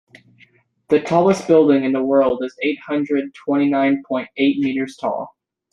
The tallest building in the world is eight hundred twenty nine point eight meters tall.